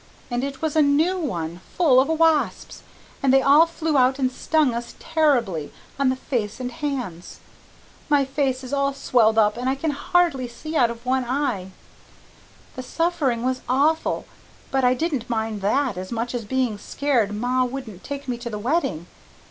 And it was a NEW ONE, full of wasps, and they all flew out and STUNG US TERRIBLY, on the face and hands. My face is all swelled up and I can HARDLY SEE out of one eye. The SUFFERING was awful but I didn't mind that as much as being scared ma wouldn't take me to the wedding.